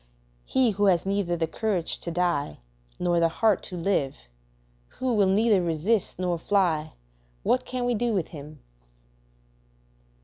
He who has neither the courage to die nor the heart to live, who will neither resist nor fly, what can we do with him?